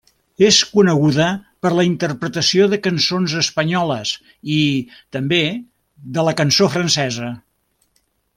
És coneguda per la interpretació de cançons espanyoles i, també, de la cançó francesa.